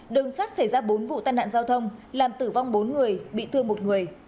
đường sắt xảy ra bốn vụ tai nạn giao thông làm tử vong bốn người bị thương một người